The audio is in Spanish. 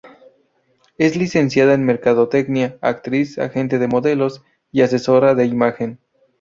Es Licenciada en Mercadotecnia, actriz, agente de modelos y asesora de imagen.